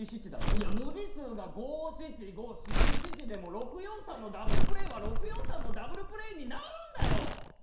いや文字数が五七五七七でも６４３のダブルプレーは６４３のダブルプレーになるんだよ！